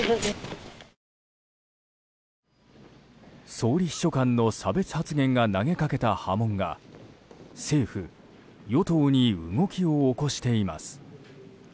総理秘書官の差別発言が投げかけた波紋が政府・与党に動きを起こしています。